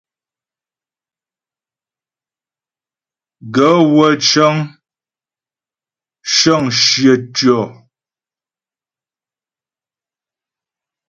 Gaə̂ wə́ cə́ŋ shə́ŋ shyə tyɔ̀.